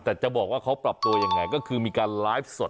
แต่จะบอกว่าเขาปรับตัวยังไงก็คือมีการไลฟ์สด